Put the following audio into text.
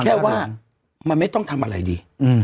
แค่ว่ามันไม่ต้องทำอะไรดี